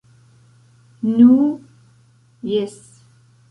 Nu, jes...